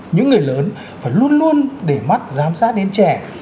những người lớn phải luôn luôn để mắt giám sát đến trẻ